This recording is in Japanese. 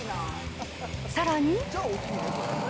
さらに。